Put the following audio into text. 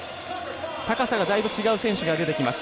高さがだいぶ違う選手が出てきます。